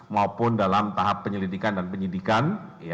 maupun dalam tahap penyelidikan dan penyidikan